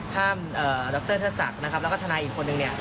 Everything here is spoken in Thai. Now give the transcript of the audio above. ห้ามดรเทศศักดิ์แล้วก็ธนายอีกคนหนึ่ง